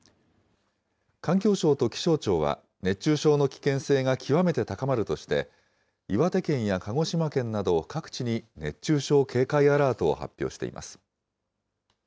環境省と気象庁は、熱中症の危険性が極めて高まるとして、岩手県や鹿児島県など、各地に熱中症警戒アラートを発表しています。